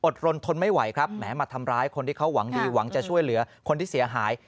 รนทนไม่ไหวครับแม้มาทำร้ายคนที่เขาหวังดีหวังจะช่วยเหลือคนที่เสียหาย